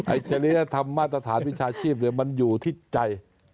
จริยธรรมมาตรฐานวิชาชีพมันอยู่ที่ใจ